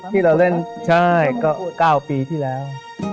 ที่เราเล่นใช่ก็๙ปีที่แล้ว